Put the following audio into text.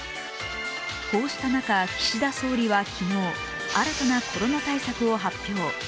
こうした中、岸田総理は昨日新たなコロナ対策を発表。